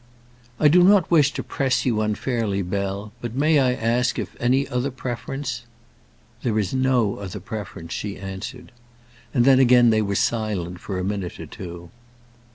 "I do not wish to press you unfairly, Bell; but may I ask if any other preference " "There is no other preference," she answered. And then again they were silent for a minute or two.